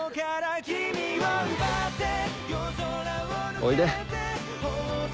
おいで。